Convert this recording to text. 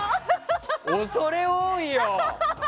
恐れ多いよ！